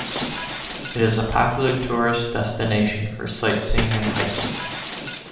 It is a popular tourist destination for sightseeing and hiking.